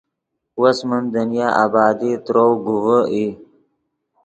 وس من دنیا آبادی ترؤ گوڤے ای